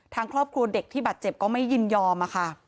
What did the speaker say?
ทางครอบครัวเด็กที่บาดเจ็บก็ไม่ยินยอมค่ะ